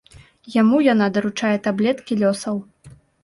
Яму яна даручае таблеткі лёсаў.